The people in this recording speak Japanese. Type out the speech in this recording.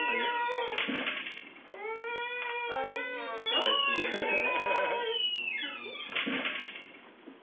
おいしいね。